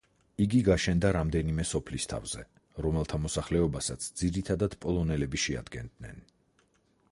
იგი გაშენდა რამდენიმე სოფლის თავზე, რომელთა მოსახლეობასაც ძირითადად პოლონელები შეადგენდნენ.